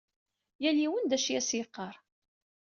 Yal yiwen d acu i as-d-yeqqar.